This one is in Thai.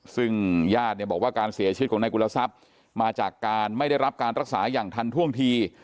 ซึ่งญาติเนี่ยบอกว่าการเสียชีวิตของนายกุลทรัพย์มาจากการไม่ได้รับการรักษาอย่างทันท่วงที